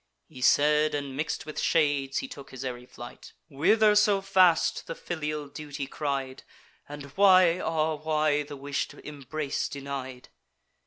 He said, and mix'd with shades, and took his airy flight. "Whither so fast?" the filial duty cried; "And why, ah why, the wish'd embrace denied?"